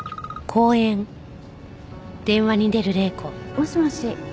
もしもし？